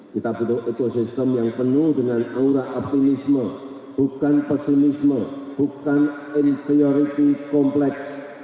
kita butuh ekosistem yang penuh dengan aura optimisme bukan pesimisme bukan interiority kompleks